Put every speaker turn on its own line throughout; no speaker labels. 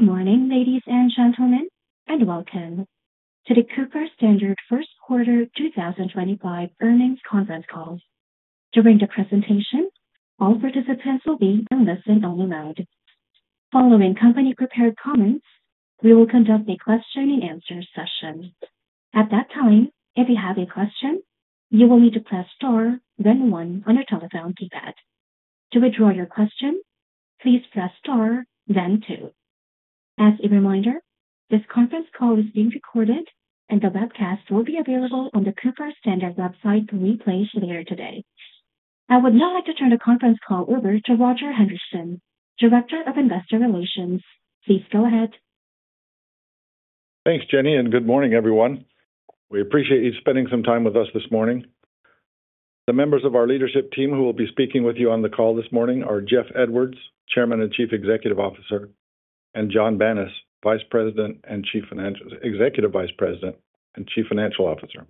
Good morning, ladies and gentlemen, and welcome to the Cooper Standard First Quarter 2025 earnings conference call. During the presentation, all participants will be in listen-only mode. Following company-prepared comments, we will conduct a question-and-answer session. At that time, if you have a question, you will need to press star then one on your telephone keypad. To withdraw your question, please press star then two. As a reminder, this conference call is being recorded, and the webcast will be available on the Cooper Standard website for replays later today. I would now like to turn the conference call over to Roger Hendriksen, Director of Investor Relations. Please go ahead.
Thanks, Jenny, and good morning, everyone. We appreciate you spending some time with us this morning. The members of our leadership team who will be speaking with you on the call this morning are Jeff Edwards, Chairman and Chief Executive Officer, and Jon Banas, Executive Vice President and Chief Financial Officer.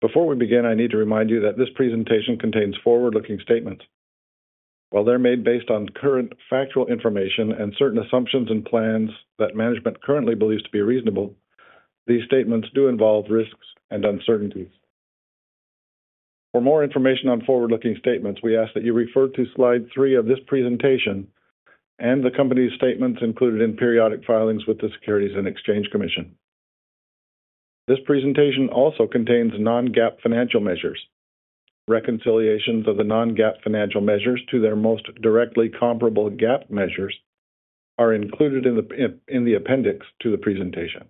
Before we begin, I need to remind you that this presentation contains forward-looking statements. While they're made based on current factual information and certain assumptions and plans that management currently believes to be reasonable, these statements do involve risks and uncertainties. For more information on forward-looking statements, we ask that you refer to slide three of this presentation and the company's statements included in periodic filings with the Securities and Exchange Commission. This presentation also contains non-GAAP financial measures. Reconciliations of the non-GAAP financial measures to their most directly comparable GAAP measures are included in the appendix to the presentation.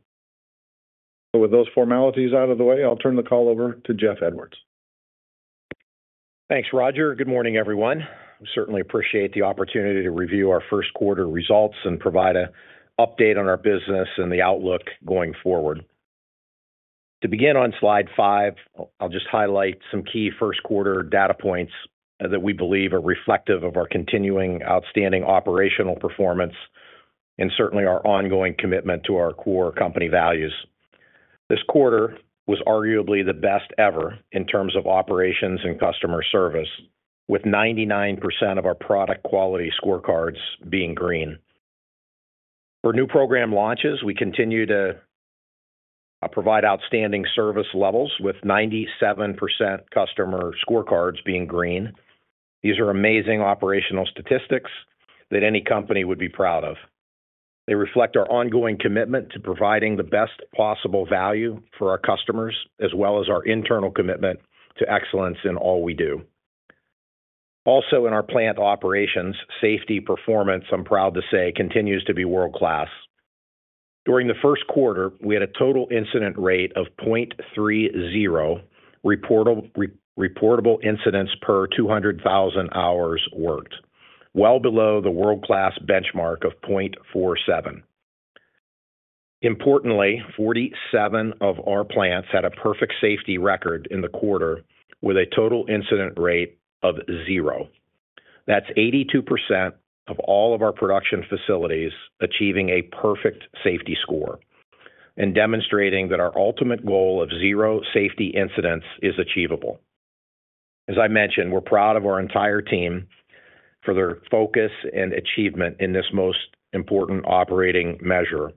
With those formalities out of the way, I'll turn the call over to Jeff Edwards.
Thanks, Roger. Good morning, everyone. We certainly appreciate the opportunity to review our first quarter results and provide an update on our business and the outlook going forward. To begin on slide five, I'll just highlight some key first quarter data points that we believe are reflective of our continuing outstanding operational performance and certainly our ongoing commitment to our core company values. This quarter was arguably the best ever in terms of operations and customer service, with 99% of our product quality scorecards being green. For new program launches, we continue to provide outstanding service levels, with 97% customer scorecards being green. These are amazing operational statistics that any company would be proud of. They reflect our ongoing commitment to providing the best possible value for our customers, as well as our internal commitment to excellence in all we do. Also, in our plant operations, safety performance, I'm proud to say, continues to be world-class. During the first quarter, we had a total incident rate of 0.30 reportable incidents per 200,000 hours worked, well below the world-class benchmark of 0.47. Importantly, 47 of our plants had a perfect safety record in the quarter, with a total incident rate of zero. That's 82% of all of our production facilities achieving a perfect safety score and demonstrating that our ultimate goal of zero safety incidents is achievable. As I mentioned, we're proud of our entire team for their focus and achievement in this most important operating measure.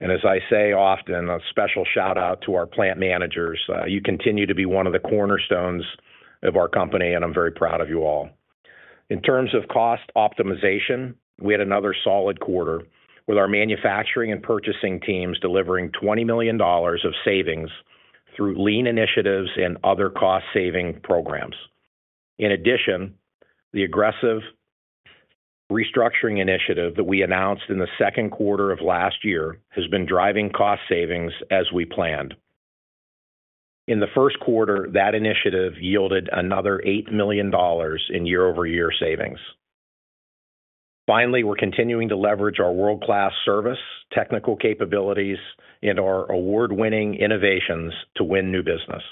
I say often, a special shout-out to our plant managers. You continue to be one of the cornerstones of our company, and I'm very proud of you all. In terms of cost optimization, we had another solid quarter, with our manufacturing and purchasing teams delivering $20 million of savings through lean initiatives and other cost-saving programs. In addition, the aggressive restructuring initiative that we announced in the second quarter of last year has been driving cost savings as we planned. In the first quarter, that initiative yielded another $8 million in year-over-year savings. Finally, we're continuing to leverage our world-class service, technical capabilities, and our award-winning innovations to win new business.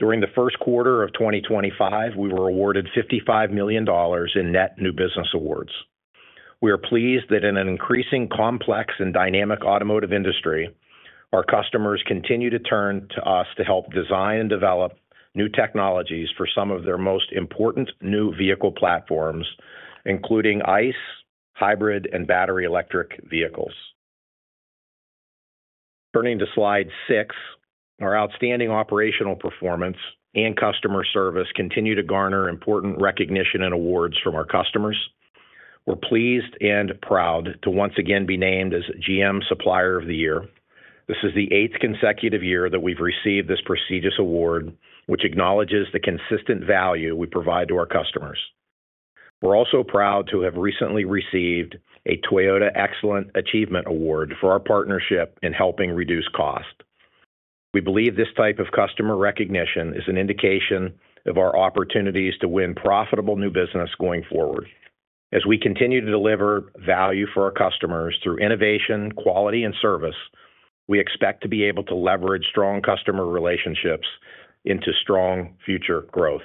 During the first quarter of 2025, we were awarded $55 million in net new business awards. We are pleased that in an increasingly complex and dynamic automotive industry, our customers continue to turn to us to help design and develop new technologies for some of their most important new vehicle platforms, including ICE, hybrid, and battery electric vehicles. Turning to slide six, our outstanding operational performance and customer service continue to garner important recognition and awards from our customers. We're pleased and proud to once again be named as GM Supplier of the Year. This is the eighth consecutive year that we've received this prestigious award, which acknowledges the consistent value we provide to our customers. We're also proud to have recently received a Toyota Excellent Achievement Award for our partnership in helping reduce cost. We believe this type of customer recognition is an indication of our opportunities to win profitable new business going forward. As we continue to deliver value for our customers through innovation, quality, and service, we expect to be able to leverage strong customer relationships into strong future growth.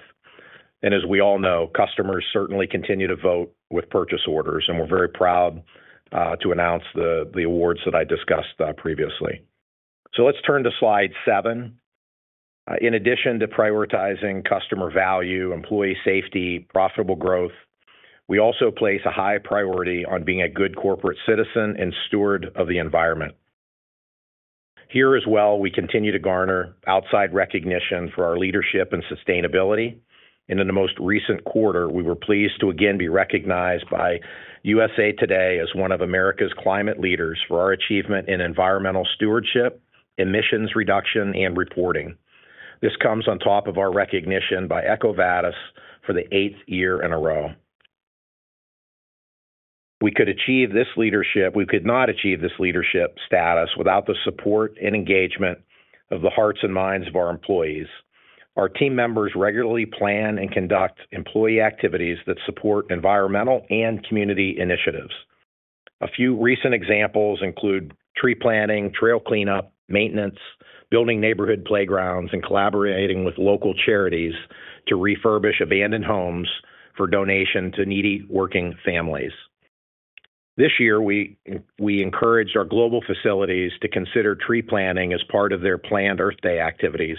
Customers certainly continue to vote with purchase orders, and we're very proud to announce the awards that I discussed previously. Let's turn to slide seven. In addition to prioritizing customer value, employee safety, and profitable growth, we also place a high priority on being a good corporate citizen and steward of the environment. Here as well, we continue to garner outside recognition for our leadership and sustainability. In the most recent quarter, we were pleased to again be recognized by U.S.A. Today as one of America's climate leaders for our achievement in environmental stewardship, emissions reduction, and reporting. This comes on top of our recognition by EcoVadis for the eighth year in a row. We could not achieve this leadership status without the support and engagement of the hearts and minds of our employees. Our team members regularly plan and conduct employee activities that support environmental and community initiatives. A few recent examples include tree planting, trail cleanup, maintenance, building neighborhood playgrounds, and collaborating with local charities to refurbish abandoned homes for donation to needy working families. This year, we encouraged our global facilities to consider tree planting as part of their planned Earth Day activities.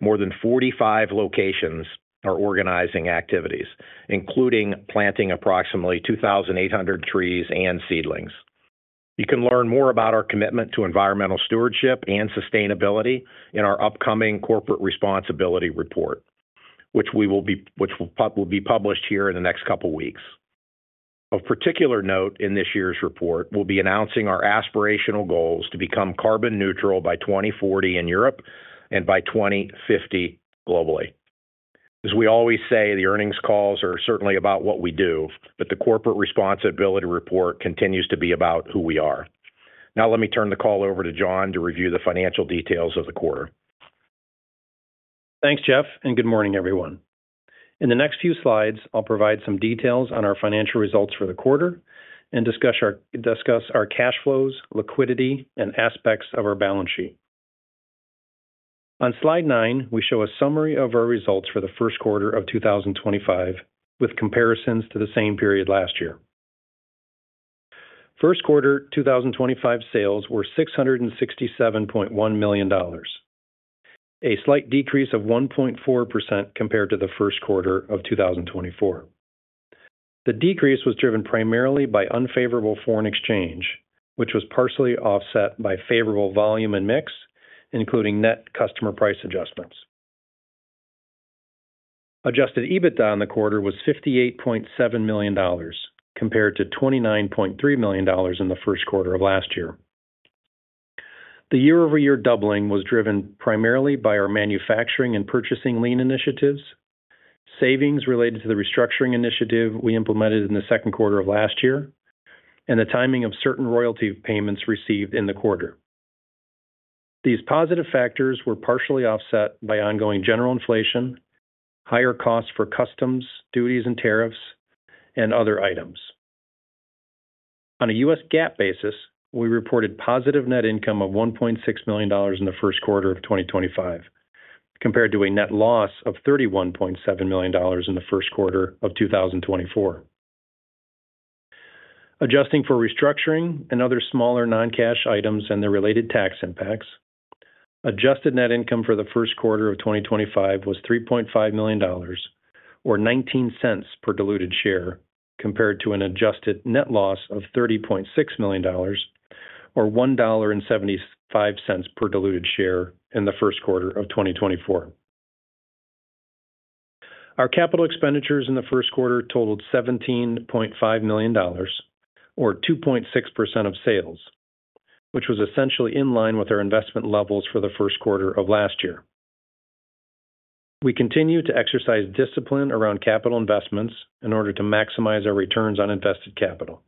More than 45 locations are organizing activities, including planting approximately 2,800 trees and seedlings. You can learn more about our commitment to environmental stewardship and sustainability in our upcoming Corporate Responsibility Report, which will be published here in the next couple of weeks. Of particular note in this year's report, we'll be announcing our aspirational goals to become carbon-neutral by 2040 in Europe and by 2050 globally. As we always say, the earnings calls are certainly about what we do, but the Corporate Responsibility Report continues to be about who we are. Now, let me turn the call over to Jon to review the financial details of the quarter.
Thanks, Jeff, and good morning, everyone. In the next few slides, I'll provide some details on our financial results for the quarter and discuss our cash flows, liquidity, and aspects of our balance sheet. On slide nine, we show a summary of our results for the first quarter of 2025 with comparisons to the same period last year. First quarter 2025 sales were $667.1 million, a slight decrease of 1.4% compared to the first quarter of 2024. The decrease was driven primarily by unfavorable foreign exchange, which was partially offset by favorable volume and mix, including net customer price adjustments. Adjusted EBITDA in the quarter was $58.7 million compared to $29.3 million in the first quarter of last year. The year-over-year doubling was driven primarily by our manufacturing and purchasing lean initiatives, savings related to the restructuring initiative we implemented in the second quarter of last year, and the timing of certain royalty payments received in the quarter. These positive factors were partially offset by ongoing general inflation, higher costs for customs, duties, and tariffs, and other items. On a U.S. GAAP basis, we reported positive net income of $1.6 million in the first quarter of 2025, compared to a net loss of $31.7 million in the first quarter of 2024. Adjusting for restructuring and other smaller non-cash items and their related tax impacts, adjusted net income for the first quarter of 2025 was $3.5 million, or $0.19 per diluted share, compared to an adjusted net loss of $30.6 million, or $1.75 per diluted share in the first quarter of 2024. Our capital expenditures in the first quarter totaled $17.5 million, or 2.6% of sales, which was essentially in line with our investment levels for the first quarter of last year. We continue to exercise discipline around capital investments in order to maximize our returns on invested capital,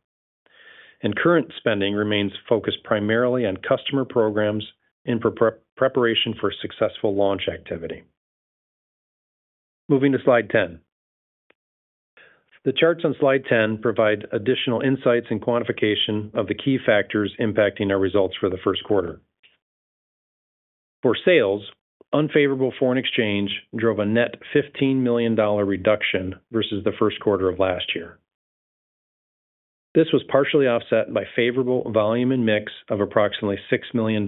and current spending remains focused primarily on customer programs in preparation for successful launch activity. Moving to slide ten. The charts on slide ten provide additional insights and quantification of the key factors impacting our results for the first quarter. For sales, unfavorable foreign exchange drove a net $15 million reduction versus the first quarter of last year. This was partially offset by favorable volume and mix of approximately $6 million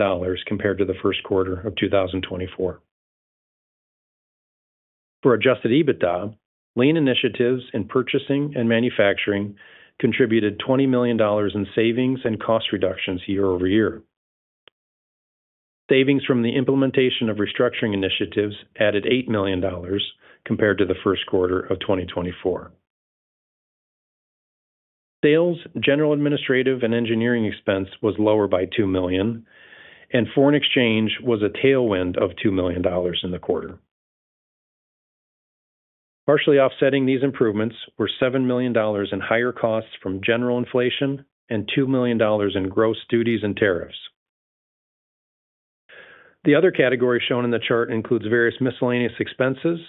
compared to the first quarter of 2024. For adjusted EBITDA, lean initiatives in purchasing and manufacturing contributed $20 million in savings and cost reductions year-over-year. Savings from the implementation of restructuring initiatives added $8 million compared to the first quarter of 2024. Sales, general administrative, and engineering expense was lower by $2 million, and foreign exchange was a tailwind of $2 million in the quarter. Partially offsetting these improvements were $7 million in higher costs from general inflation and $2 million in gross duties and tariffs. The other category shown in the chart includes various miscellaneous expenses,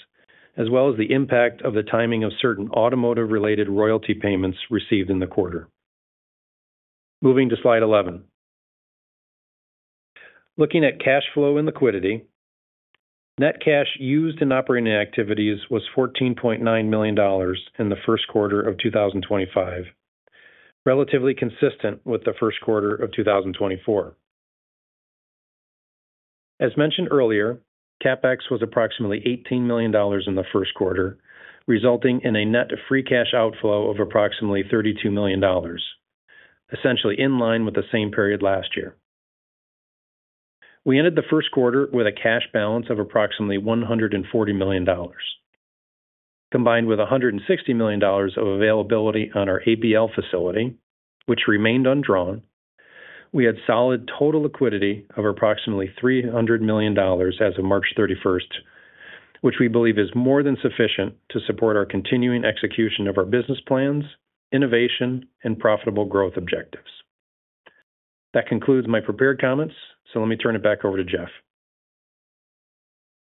as well as the impact of the timing of certain automotive-related royalty payments received in the quarter. Moving to slide eleven. Looking at cash flow and liquidity, net cash used in operating activities was $14.9 million in the first quarter of 2025, relatively consistent with the first quarter of 2024. As mentioned earlier, CapEx was approximately $18 million in the first quarter, resulting in a net free cash outflow of approximately $32 million, essentially in line with the same period last year. We ended the first quarter with a cash balance of approximately $140 million. Combined with $160 million of availability on our ABL facility, which remained undrawn, we had solid total liquidity of approximately $300 million as of March 31st, which we believe is more than sufficient to support our continuing execution of our business plans, innovation, and profitable growth objectives. That concludes my prepared comments, so let me turn it back over to Jeff.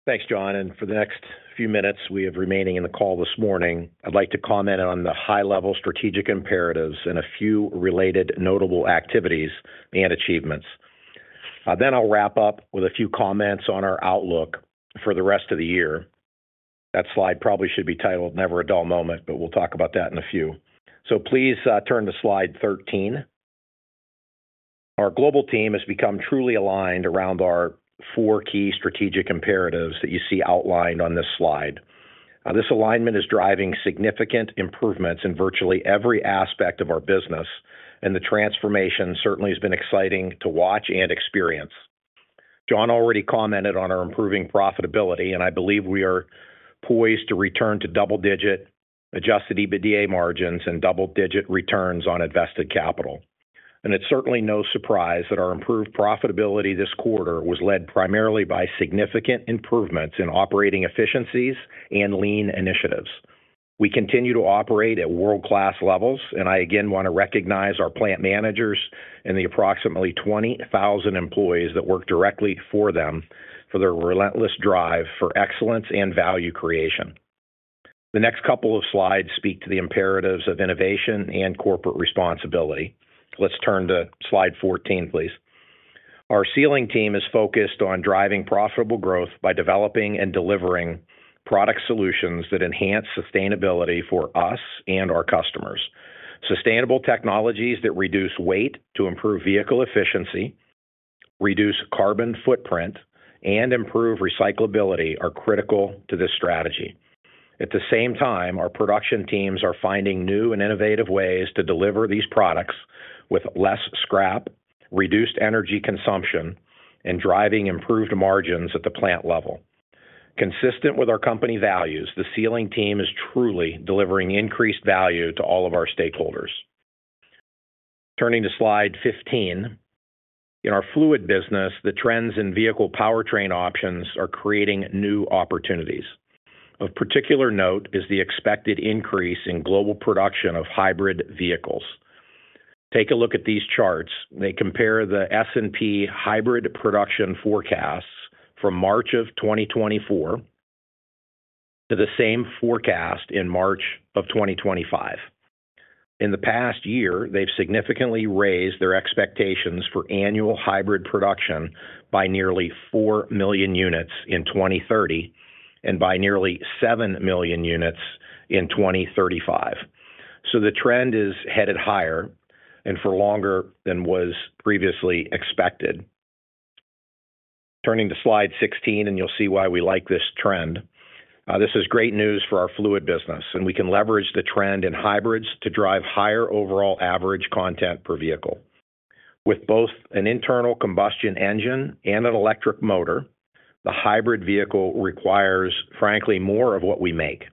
Thanks, Jon. For the next few minutes we have remaining in the call this morning, I'd like to comment on the high-level strategic imperatives and a few related notable activities and achievements. I'll wrap up with a few comments on our outlook for the rest of the year. That slide probably should be titled "Never a Dull Moment," but we'll talk about that in a few. Please turn to slide thirteen. Our global team has become truly aligned around our four key strategic imperatives that you see outlined on this slide. This alignment is driving significant improvements in virtually every aspect of our business, and the transformation certainly has been exciting to watch and experience. Jon already commented on our improving profitability, and I believe we are poised to return to double-digit adjusted EBITDA margins and double-digit returns on invested capital. It is certainly no surprise that our improved profitability this quarter was led primarily by significant improvements in operating efficiencies and lean initiatives. We continue to operate at world-class levels, and I again want to recognize our plant managers and the approximately 20,000 employees that work directly for them for their relentless drive for excellence and value creation. The next couple of slides speak to the imperatives of innovation and corporate responsibility. Let's turn to slide fourteen, please. Our Sealing team is focused on driving profitable growth by developing and delivering product solutions that enhance sustainability for us and our customers. Sustainable technologies that reduce weight to improve vehicle efficiency, reduce carbon footprint, and improve recyclability are critical to this strategy. At the same time, our production teams are finding new and innovative ways to deliver these products with less scrap, reduced energy consumption, and driving improved margins at the plant level. Consistent with our company values, the Sealing team is truly delivering increased value to all of our stakeholders. Turning to slide fifteen. In our Fluid business, the trends in vehicle powertrain options are creating new opportunities. Of particular note is the expected increase in global production of hybrid vehicles. Take a look at these charts. They compare the S&P Hybrid Production Forecasts from March of 2024 to the same forecast in March of 2025. In the past year, they have significantly raised their expectations for annual hybrid production by nearly four million units in 2030 and by nearly seven million units in 2035. The trend is headed higher and for longer than was previously expected. Turning to slide sixteen, and you'll see why we like this trend. This is great news for our fluid business, and we can leverage the trend in hybrids to drive higher overall average content per vehicle. With both an internal combustion engine and an electric motor, the hybrid vehicle requires, frankly, more of what we make.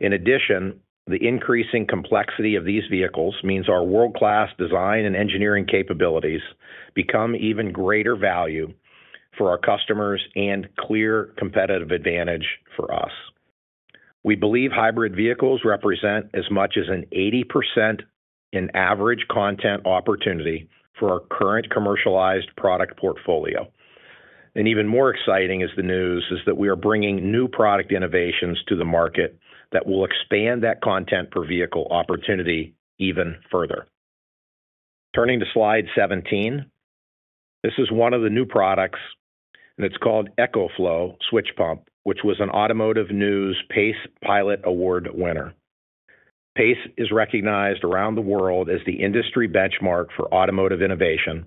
In addition, the increasing complexity of these vehicles means our world-class design and engineering capabilities become even greater value for our customers and clear competitive advantage for us. We believe hybrid vehicles represent as much as an 80% in average content opportunity for our current commercialized product portfolio. Even more exciting is the news is that we are bringing new product innovations to the market that will expand that content per vehicle opportunity even further. Turning to slide seventeen. This is one of the new products, and it's called eCoFlow™ Switch Pump, which was an Automotive News PACE Pilot Award winner. PACE is recognized around the world as the industry benchmark for automotive innovation,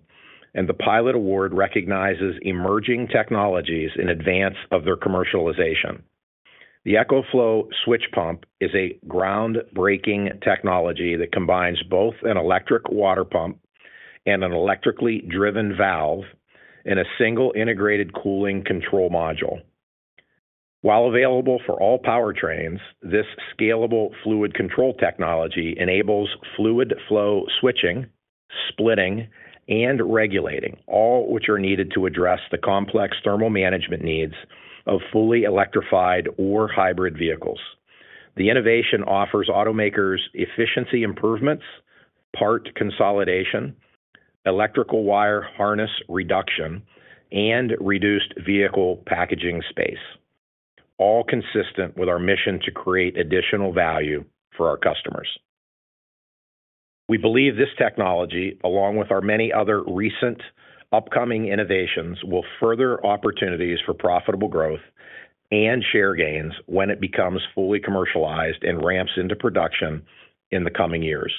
and the Pilot Award recognizes emerging technologies in advance of their commercialization. The eCoFlow™ Switch Pump is a groundbreaking technology that combines both an electric water pump and an electrically driven valve in a single integrated cooling control module. While available for all powertrains, this scalable fluid control technology enables fluid flow switching, splitting, and regulating, all which are needed to address the complex thermal management needs of fully electrified or hybrid vehicles. The innovation offers automakers efficiency improvements, part consolidation, electrical wire harness reduction, and reduced vehicle packaging space, all consistent with our mission to create additional value for our customers. We believe this technology, along with our many other recent upcoming innovations, will further opportunities for profitable growth and share gains when it becomes fully commercialized and ramps into production in the coming years.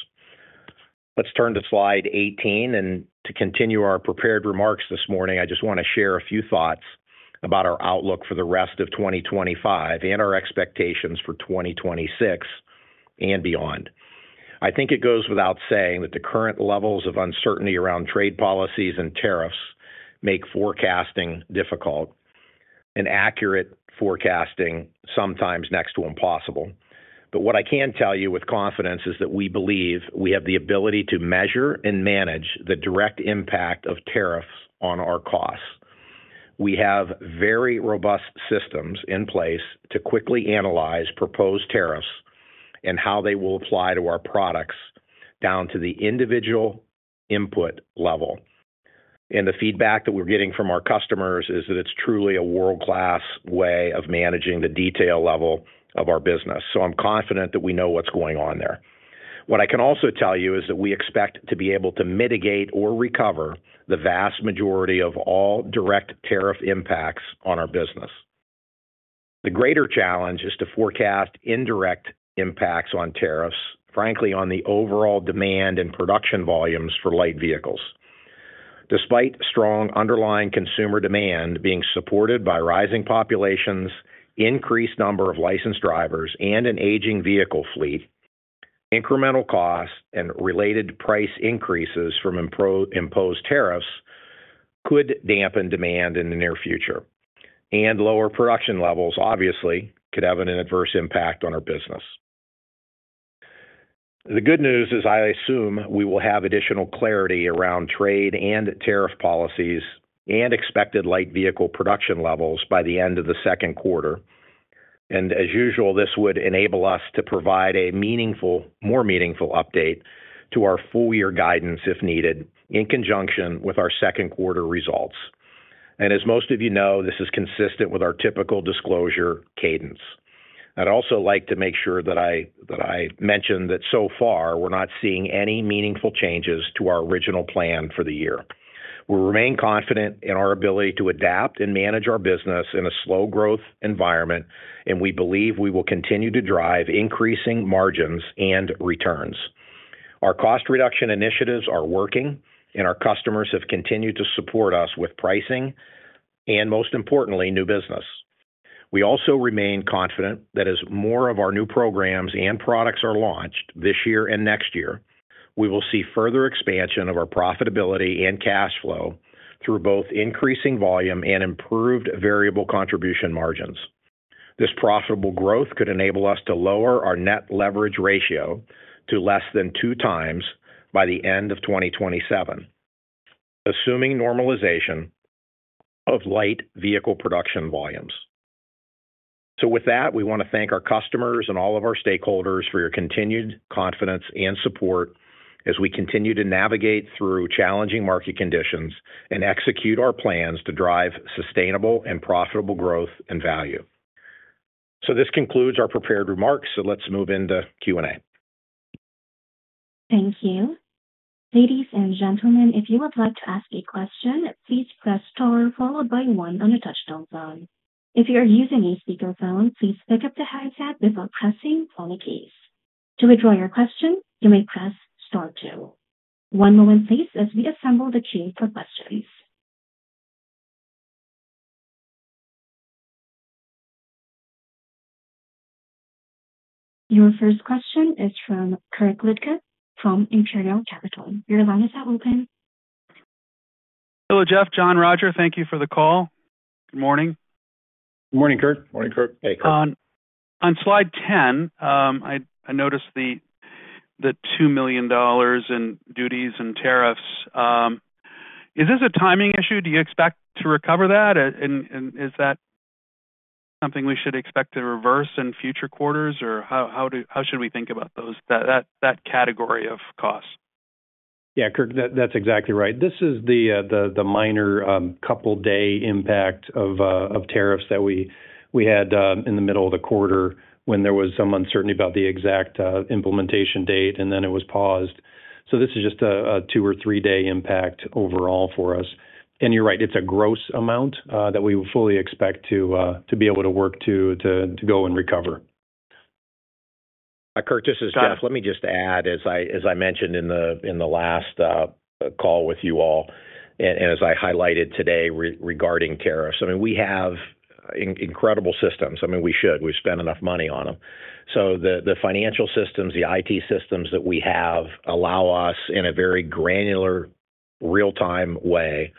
Let's turn to slide eighteen. To continue our prepared remarks this morning, I just want to share a few thoughts about our outlook for the rest of 2025 and our expectations for 2026 and beyond. I think it goes without saying that the current levels of uncertainty around trade policies and tariffs make forecasting difficult, and accurate forecasting sometimes next to impossible. What I can tell you with confidence is that we believe we have the ability to measure and manage the direct impact of tariffs on our costs. We have very robust systems in place to quickly analyze proposed tariffs and how they will apply to our products down to the individual input level. The feedback that we're getting from our customers is that it's truly a world-class way of managing the detail level of our business. I'm confident that we know what's going on there. What I can also tell you is that we expect to be able to mitigate or recover the vast majority of all direct tariff impacts on our business. The greater challenge is to forecast indirect impacts on tariffs, frankly, on the overall demand and production volumes for light vehicles. Despite strong underlying consumer demand being supported by rising populations, increased number of licensed drivers, and an aging vehicle fleet, incremental costs and related price increases from imposed tariffs could dampen demand in the near future. Lower production levels, obviously, could have an adverse impact on our business. The good news is I assume we will have additional clarity around trade and tariff policies and expected light vehicle production levels by the end of the second quarter. As usual, this would enable us to provide a more meaningful update to our full-year guidance if needed in conjunction with our second quarter results. As most of you know, this is consistent with our typical disclosure cadence. I would also like to make sure that I mention that so far we are not seeing any meaningful changes to our original plan for the year. We remain confident in our ability to adapt and manage our business in a slow growth environment, and we believe we will continue to drive increasing margins and returns. Our cost reduction initiatives are working, and our customers have continued to support us with pricing and, most importantly, new business. We also remain confident that as more of our new programs and products are launched this year and next year, we will see further expansion of our profitability and cash flow through both increasing volume and improved variable contribution margins. This profitable growth could enable us to lower our net leverage ratio to less than two times by the end of 2027, assuming normalization of light vehicle production volumes. We want to thank our customers and all of our stakeholders for your continued confidence and support as we continue to navigate through challenging market conditions and execute our plans to drive sustainable and profitable growth and value. This concludes our prepared remarks, so let's move into Q&A.
Thank you. Ladies and gentlemen, if you would like to ask a question, please press star followed by one on a touch-tone phone. If you are using a speakerphone, please pick up the handset without pressing on the case. To withdraw your question, you may press star two. One moment, please, as we assemble the queue for questions. Your first question is from Kirk Ludtke from Imperial Capital. Your line is now open.
Hello, Jeff. Jon, Rogers, thank you for the call. Good morning.
Good morning, Kirk.
Morning, Kirk.
Hey, Kirk.
On slide ten, I noticed the $2 million in duties and tariffs. Is this a timing issue? Do you expect to recover that? Is that something we should expect to reverse in future quarters? How should we think about that category of costs?
Yeah, Kirk, that's exactly right. This is the minor couple-day impact of tariffs that we had in the middle of the quarter when there was some uncertainty about the exact implementation date, and then it was paused. This is just a two or three-day impact overall for us. You're right, it's a gross amount that we fully expect to be able to work to go and recover.
Kirk, this is Jeff. Let me just add, as I mentioned in the last call with you all and as I highlighted today regarding tariffs, I mean, we have incredible systems. I mean, we should. We've spent enough money on them. The financial systems, the IT systems that we have allow us, in a very granular, real-time way,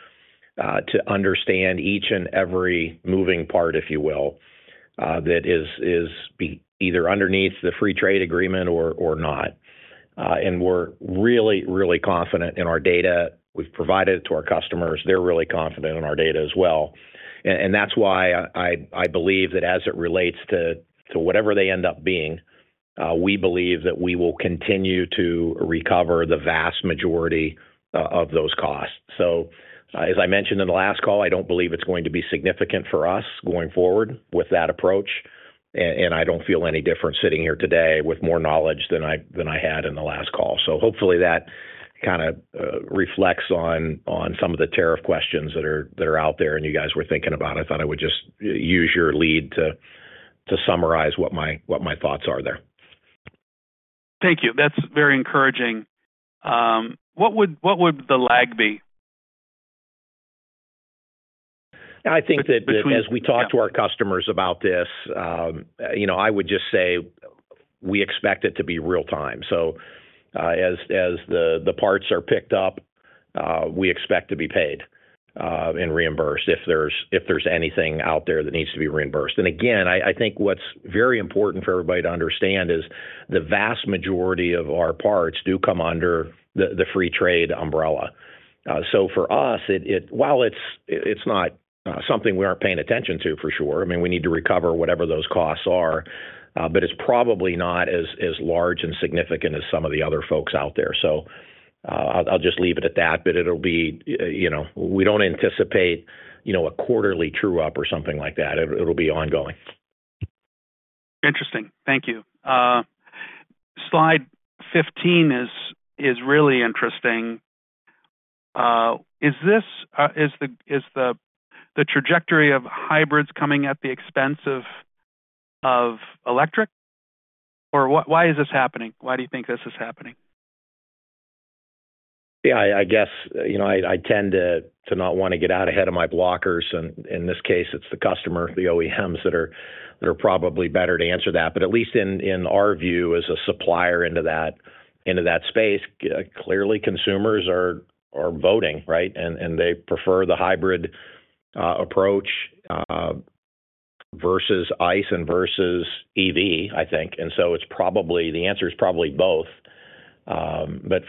to understand each and every moving part, if you will, that is either underneath the free trade agreement or not. We're really, really confident in our data. We've provided it to our customers. They're really confident in our data as well. That's why I believe that as it relates to whatever they end up being, we believe that we will continue to recover the vast majority of those costs. As I mentioned in the last call, I don't believe it's going to be significant for us going forward with that approach. I do not feel any different sitting here today with more knowledge than I had in the last call. Hopefully that kind of reflects on some of the tariff questions that are out there and you guys were thinking about. I thought I would just use your lead to summarize what my thoughts are there.
Thank you. That's very encouraging. What would the lag be?
I think that as we talk to our customers about this, I would just say we expect it to be real-time. As the parts are picked up, we expect to be paid and reimbursed if there's anything out there that needs to be reimbursed. I think what's very important for everybody to understand is the vast majority of our parts do come under the free trade umbrella. For us, while it's not something we aren't paying attention to for sure, I mean, we need to recover whatever those costs are, but it's probably not as large and significant as some of the other folks out there. I'll just leave it at that, but we don't anticipate a quarterly true-up or something like that. It'll be ongoing.
Interesting. Thank you. Slide fifteen is really interesting. Is the trajectory of hybrids coming at the expense of electric? Or why is this happening? Why do you think this is happening?
Yeah, I guess I tend to not want to get out ahead of my blockers. In this case, it's the customer, the OEMs, that are probably better to answer that. At least in our view as a supplier into that space, clearly consumers are voting, right? They prefer the hybrid approach versus ICE and versus EV, I think. The answer is probably both.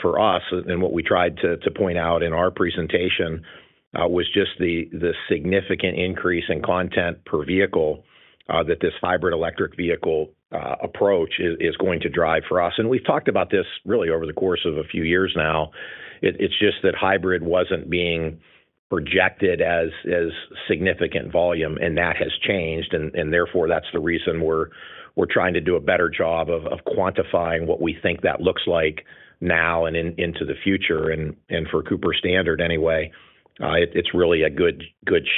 For us, and what we tried to point out in our presentation was just the significant increase in content per vehicle that this hybrid electric vehicle approach is going to drive for us. We've talked about this really over the course of a few years now. It's just that hybrid wasn't being projected as significant volume, and that has changed. Therefore, that's the reason we're trying to do a better job of quantifying what we think that looks like now and into the future. For Cooper Standard, anyway, it's really a good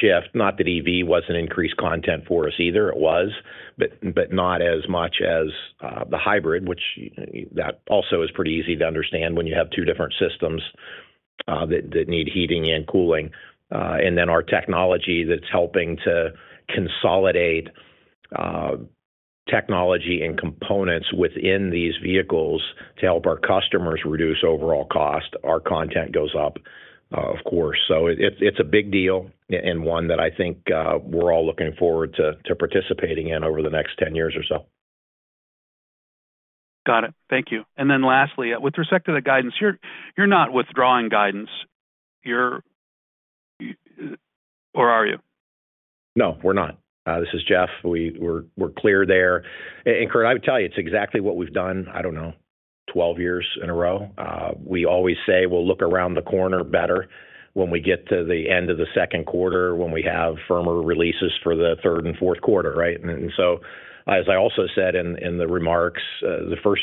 shift. Not that EV wasn't increased content for us either. It was, but not as much as the hybrid, which that also is pretty easy to understand when you have two different systems that need heating and cooling. Then our technology that's helping to consolidate technology and components within these vehicles to help our customers reduce overall cost, our content goes up, of course. It's a big deal and one that I think we're all looking forward to participating in over the next 10 years or so.
Got it. Thank you. Lastly, with respect to the guidance, you're not withdrawing guidance, or are you?
No, we're not. This is Jeff. We're clear there. Kirk, I would tell you it's exactly what we've done, I don't know, 12 years in a row. We always say we'll look around the corner better when we get to the end of the second quarter, when we have firmer releases for the third and fourth quarter, right? As I also said in the remarks, the first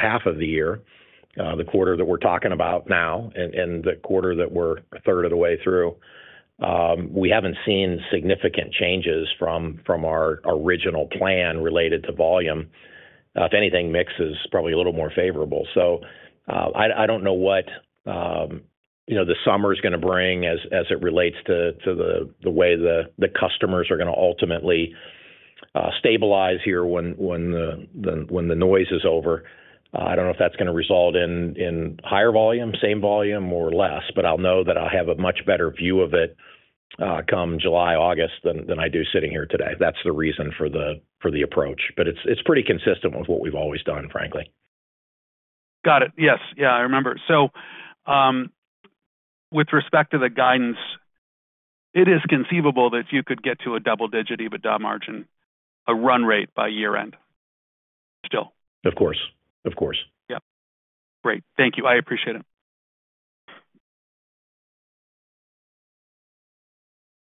half of the year, the quarter that we're talking about now, and the quarter that we're a third of the way through, we haven't seen significant changes from our original plan related to volume. If anything, mix is probably a little more favorable. I don't know what the summer is going to bring as it relates to the way the customers are going to ultimately stabilize here when the noise is over. I don't know if that's going to result in higher volume, same volume, or less, but I know that I'll have a much better view of it come July, August than I do sitting here today. That's the reason for the approach. It's pretty consistent with what we've always done, frankly.
Got it. Yes. Yeah, I remember. With respect to the guidance, it is conceivable that you could get to a double-digit EBITDA margin, a run rate by year-end, still.
Of course. Of course.
Yep. Great. Thank you. I appreciate it.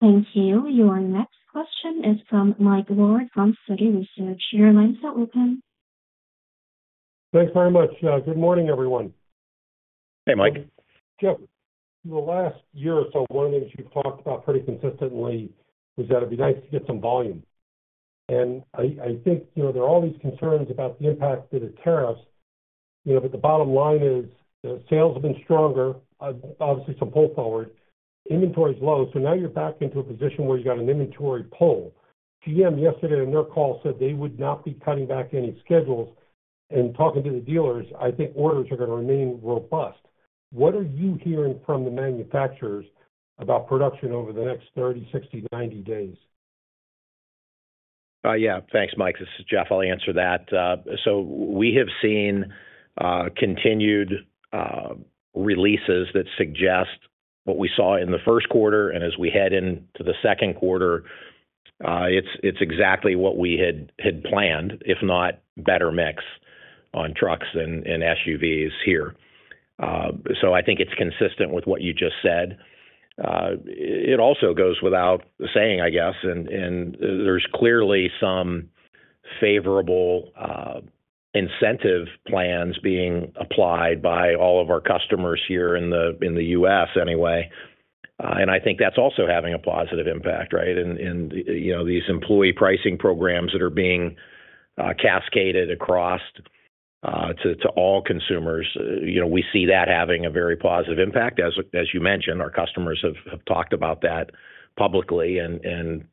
Thank you. Your next question is from Mike Ward from Citi Research. Your line is now open.
Thanks very much. Good morning, everyone.
Hey, Mike.
Jeff, the last year or so, one of the things you've talked about pretty consistently was that it'd be nice to get some volume. I think there are all these concerns about the impact of the tariffs. The bottom line is the sales have been stronger, obviously some pull forward, inventory's low. Now you're back into a position where you got an inventory pull. GM yesterday in their call said they would not be cutting back any schedules. Talking to the dealers, I think orders are going to remain robust. What are you hearing from the manufacturers about production over the next 30, 60 to 90 days? Yeah. Thanks, Mike. This is Jeff. I'll answer that. We have seen continued releases that suggest what we saw in the first quarter. As we head into the second quarter, it's exactly what we had planned, if not better mix on trucks and SUVs here. I think it's consistent with what you just said. It also goes without saying, I guess, and there's clearly some favorable incentive plans being applied by all of our customers here in the U.S., anyway. I think that's also having a positive impact, right? These employee pricing programs that are being cascaded across to all consumers, we see that having a very positive impact. As you mentioned, our customers have talked about that publicly, and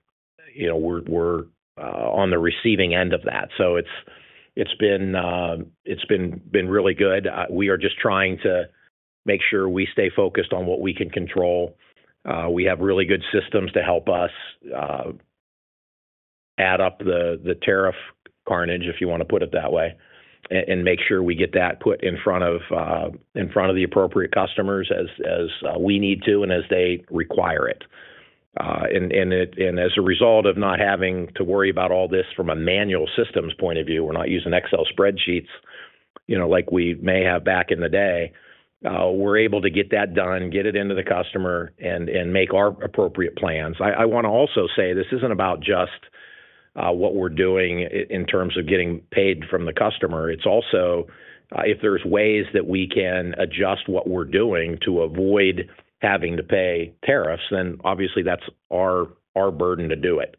we're on the receiving end of that. It's been really good. We are just trying to make sure we stay focused on what we can control. We have really good systems to help us add up the tariff carnage, if you want to put it that way, and make sure we get that put in front of the appropriate customers as we need to and as they require it. As a result of not having to worry about all this from a manual systems point of view, we're not using Excel spreadsheets like we may have back in the day. We're able to get that done, get it into the customer, and make our appropriate plans. I want to also say this isn't about just what we're doing in terms of getting paid from the customer. It's also if there's ways that we can adjust what we're doing to avoid having to pay tariffs, then obviously that's our burden to do it.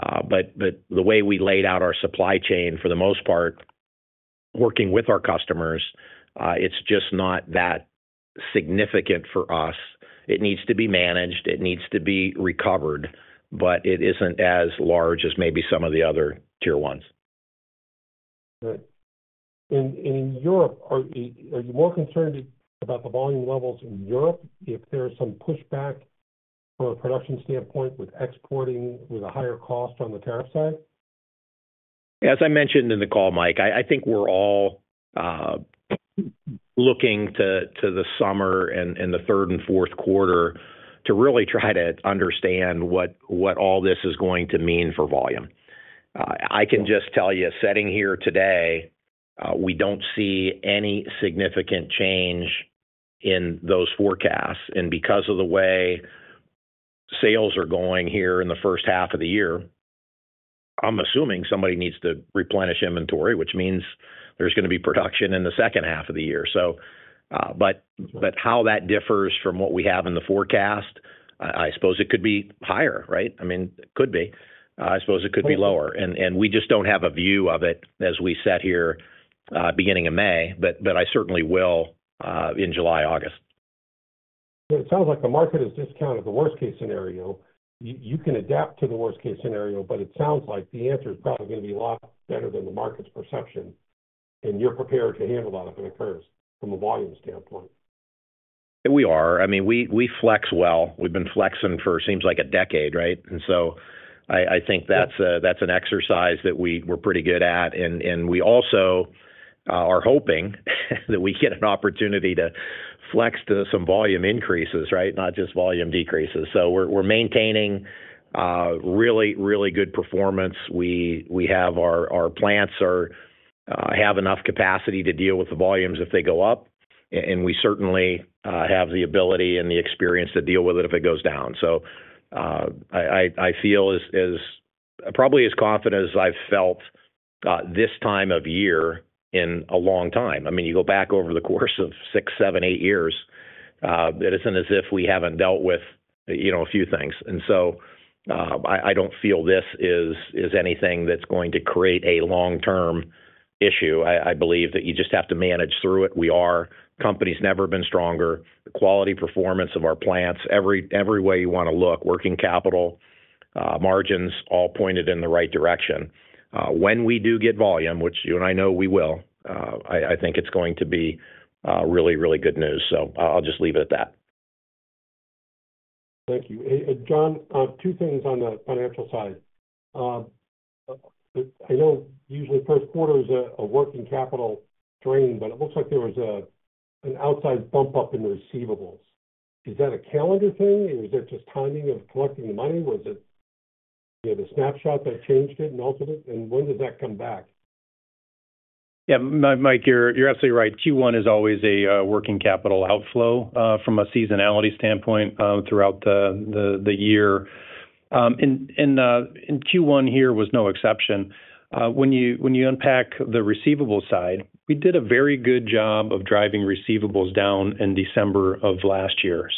The way we laid out our supply chain for the most part, working with our customers, it's just not that significant for us. It needs to be managed. It needs to be recovered, but it isn't as large as maybe some of the other tier ones. Good. In Europe, are you more concerned about the volume levels in Europe if there is some pushback from a production standpoint with exporting with a higher cost on the tariff side?
As I mentioned in the call, Mike, I think we're all looking to the summer and the third and fourth quarter to really try to understand what all this is going to mean for volume. I can just tell you, sitting here today, we don't see any significant change in those forecasts. Because of the way sales are going here in the first half of the year, I'm assuming somebody needs to replenish inventory, which means there's going to be production in the second half of the year. How that differs from what we have in the forecast, I suppose it could be higher, right? I mean, it could be. I suppose it could be lower. We just don't have a view of it as we sit here beginning of May, but I certainly will in July, August.
It sounds like the market has discounted the worst-case scenario. You can adapt to the worst-case scenario, but it sounds like the answer is probably going to be a lot better than the market's perception. You're prepared to handle that if it occurs from a volume standpoint.
We are. I mean, we flex well. We've been flexing for, seems like a decade, right? I think that's an exercise that we're pretty good at. We also are hoping that we get an opportunity to flex to some volume increases, right? Not just volume decreases. We're maintaining really, really good performance. We have our plants have enough capacity to deal with the volumes if they go up. We certainly have the ability and the experience to deal with it if it goes down. I feel probably as confident as I've felt this time of year in a long time. I mean, you go back over the course of six, seven, eight years, it isn't as if we haven't dealt with a few things. I don't feel this is anything that's going to create a long-term issue. I believe that you just have to manage through it. We are. Company's never been stronger. The quality performance of our plants, every way you want to look, working capital, margins all pointed in the right direction. When we do get volume, which you and I know we will, I think it's going to be really, really good news. I will just leave it at that.
Thank you. John, two things on the financial side. I know usually first quarter is a working capital drain, but it looks like there was an outside bump up in the receivables. Is that a calendar thing? Is that just timing of collecting the money? Do you have a snapshot that changed it in ultimate? When does that come back?
Yeah. Mike, you're absolutely right. Q1 is always a working capital outflow from a seasonality standpoint throughout the year. Q1 here was no exception. When you unpack the receivable side, we did a very good job of driving receivables down in December of last year.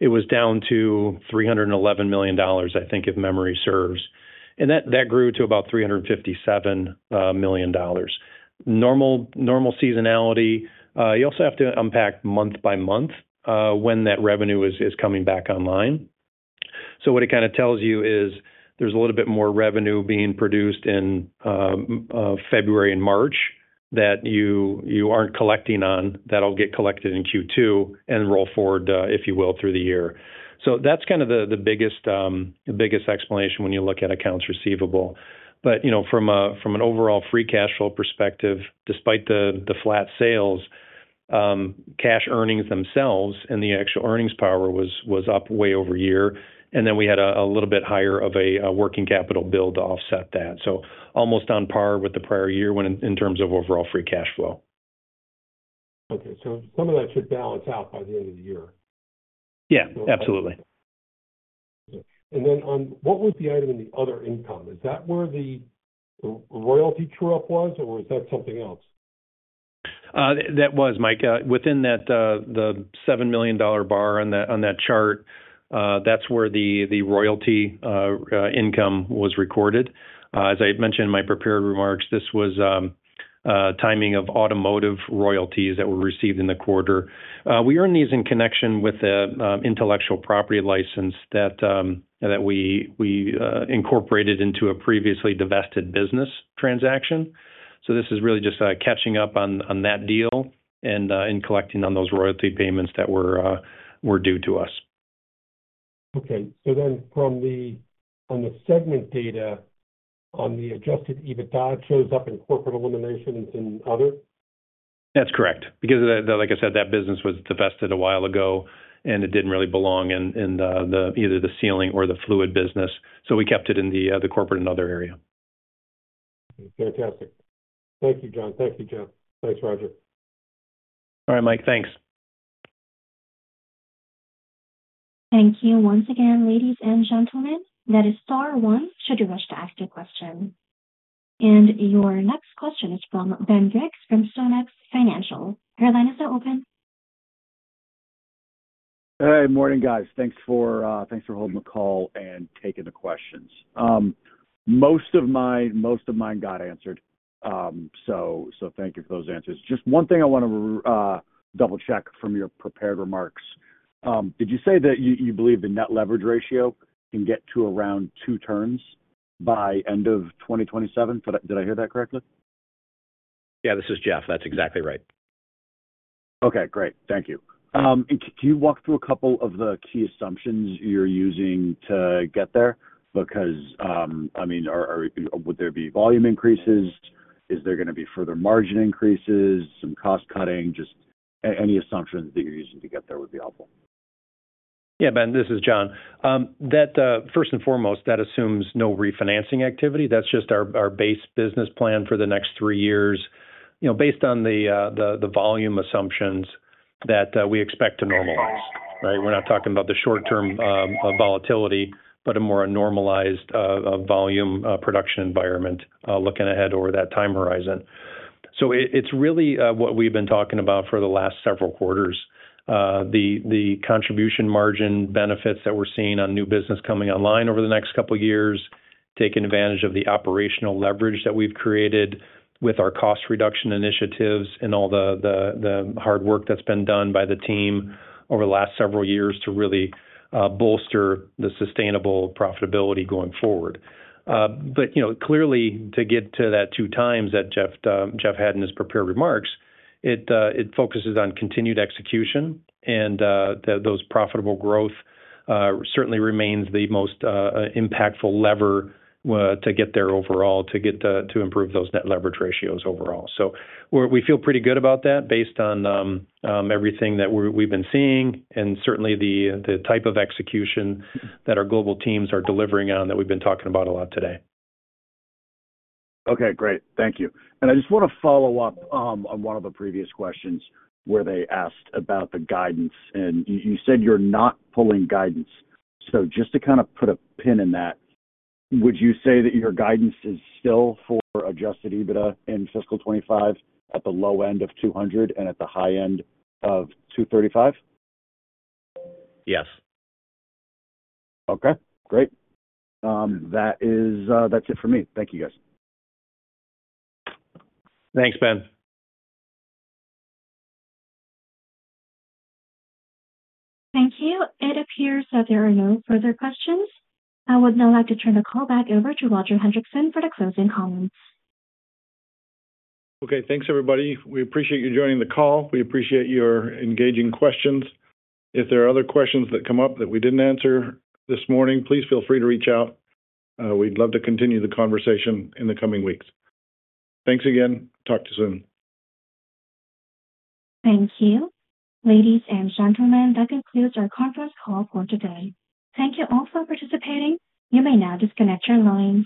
It was down to $311 million, I think, if memory serves. That grew to about $357 million. Normal seasonality, you also have to unpack month by month when that revenue is coming back online. What it kind of tells you is there's a little bit more revenue being produced in February and March that you aren't collecting on that'll get collected in Q2 and roll forward, if you will, through the year. That's kind of the biggest explanation when you look at accounts receivable. From an overall free cash flow perspective, despite the flat sales, cash earnings themselves and the actual earnings power was up way over year. Then we had a little bit higher of a working capital build to offset that. So almost on par with the prior year in terms of overall free cash flow.
Okay. Some of that should balance out by the end of the year.
Yeah. Absolutely.
What was the item in the other income? Is that where the royalty true-up was, or was that something else?
That was, Mike. Within the $7 million bar on that chart, that's where the royalty income was recorded. As I mentioned in my prepared remarks, this was timing of automotive royalties that were received in the quarter. We earned these in connection with an intellectual property license that we incorporated into a previously divested business transaction. This is really just catching up on that deal and collecting on those royalty payments that were due to us.
Okay. So then from the segment data on the adjusted EBITDA, it shows up in corporate eliminations and other?
That's correct. Because, like I said, that business was divested a while ago, and it didn't really belong in either the Sealing or the Fluid Handling business. So we kept it in the corporate and other area.
Fantastic. Thank you, Jon. Thank you, Jeff. Thanks, Roger.
All right, Mike. Thanks.
Thank you once again, ladies and gentlemen. That is Star one, should you wish to ask a question. Your next question is from Ben Briggs from StoneX Financial. Your line is now open.
Hey, morning, guys. Thanks for holding the call and taking the questions. Most of mine got answered. Thank you for those answers. Just one thing I want to double-check from your prepared remarks. Did you say that you believe the net leverage ratio can get to around two turns by end of 2027? Did I hear that correctly?
Yeah. This is Jeff. That's exactly right.
Okay. Great. Thank you. Can you walk through a couple of the key assumptions you're using to get there? Because, I mean, would there be volume increases? Is there going to be further margin increases, some cost cutting? Just any assumptions that you're using to get there would be helpful.
Yeah, Ben, this is Jon. First and foremost, that assumes no refinancing activity. That's just our base business plan for the next three years based on the volume assumptions that we expect to normalize, right? We're not talking about the short-term volatility, but a more normalized volume production environment looking ahead over that time horizon. It's really what we've been talking about for the last several quarters. The contribution margin benefits that we're seeing on new business coming online over the next couple of years, taking advantage of the operational leverage that we've created with our cost reduction initiatives and all the hard work that's been done by the team over the last several years to really bolster the sustainable profitability going forward. Clearly, to get to that two times that Jeff had in his prepared remarks, it focuses on continued execution. Profitable growth certainly remains the most impactful lever to get there overall, to get to improve those net leverage ratios overall. We feel pretty good about that based on everything that we've been seeing and certainly the type of execution that our global teams are delivering on that we've been talking about a lot today.
Okay. Great. Thank you. I just want to follow up on one of the previous questions where they asked about the guidance. You said you're not pulling guidance. Just to kind of put a pin in that, would you say that your guidance is still for adjusted EBITDA in fiscal 2025 at the low end of $200 million and at the high end of $235 million?
Yes.
Okay. Great. That's it for me. Thank you, guys.
Thanks, Ben.
Thank you. It appears that there are no further questions. I would now like to turn the call back over to Roger Hendriksen for the closing comments.
Okay. Thanks, everybody. We appreciate you joining the call. We appreciate your engaging questions. If there are other questions that come up that we didn't answer this morning, please feel free to reach out. We'd love to continue the conversation in the coming weeks. Thanks again. Talk to you soon.
Thank you. Ladies and gentlemen, that concludes our conference call for today. Thank you all for participating. You may now disconnect your lines.